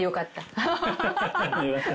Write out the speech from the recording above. アハハハ。